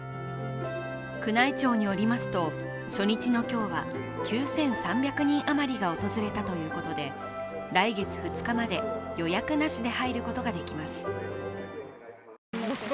宮内庁によりますと初日の今日は９３００人余りが訪れたということで来月２日まで予約なしで入ることができます。